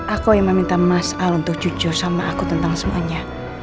aku yang meminta mas al untuk jujur sama aku tentang semuanya